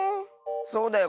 そうだよ